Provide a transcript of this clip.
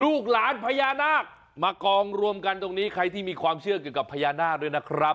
ลูกหลานพญานาคมากองรวมกันตรงนี้ใครที่มีความเชื่อเกี่ยวกับพญานาคด้วยนะครับ